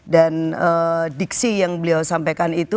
dan diksi yang beliau sampaikan itu